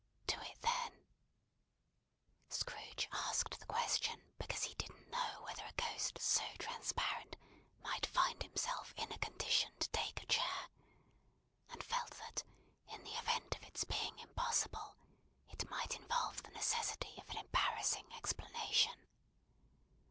"Do it, then." Scrooge asked the question, because he didn't know whether a ghost so transparent might find himself in a condition to take a chair; and felt that in the event of its being impossible, it might involve the necessity of an embarrassing explanation.